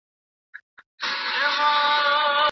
که مثبت چاپېریال وي، زده کوونکی نه وارخطا کېږي.